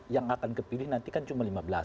yang akan kepilih nanti kan cuma lima belas